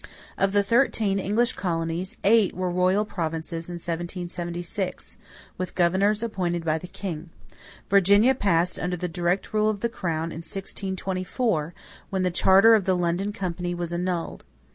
= Of the thirteen English colonies eight were royal provinces in 1776, with governors appointed by the king. Virginia passed under the direct rule of the crown in 1624, when the charter of the London Company was annulled.